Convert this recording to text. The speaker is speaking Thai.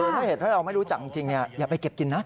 ถ้าเห็ดให้เราไม่รู้จักจริงอย่าไปเก็บกินนะ